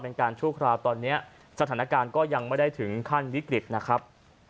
ชั่วคราวตอนนี้สถานการณ์ก็ยังไม่ได้ถึงขั้นวิกฤตนะครับ